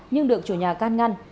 nhưng được chủ nhà can ngăn